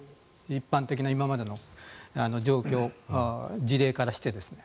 一般的な今までの状況事例からしてですね。